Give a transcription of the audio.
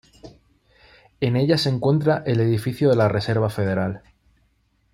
En ella se encuentra el edificio de la Reserva Federal.